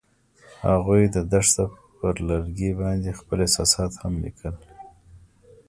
هغوی د دښته پر لرګي باندې خپل احساسات هم لیکل.